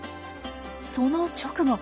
その直後。